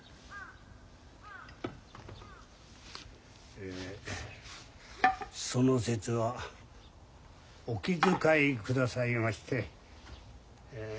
えその節はお気遣いくださいましてえ